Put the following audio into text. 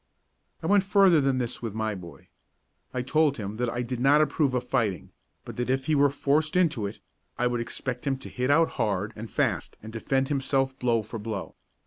I went further than this with my boy. I told him that I did not approve of fighting, but that if he were forced into it, I would expect him to hit out hard and fast and defend himself blow for blow.